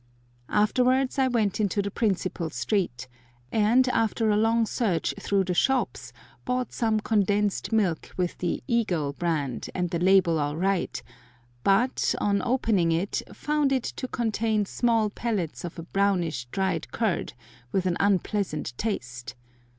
Afterwards I went into the principal street, and, after a long search through the shops, bought some condensed milk with the "Eagle" brand and the label all right, but, on opening it, found it to contain small pellets of a brownish, dried curd, with an unpleasant taste!